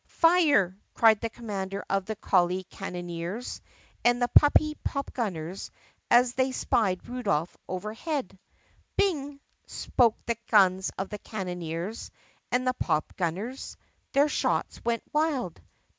"Fire!" cried the commander of the Collie Cannoneers and the Puppy Popgunners as they spied Rudolph overhead. "Bing!" spoke the guns of the Cannoneers and the Pop gunners. Their shots went wild.